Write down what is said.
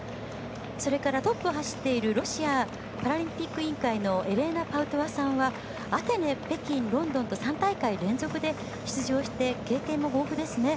それからトップを走っているロシアパラリンピック委員会のエレナ・パウトワさんはアテネ、北京ロンドンと３大会連続で出場して経験も豊富ですね。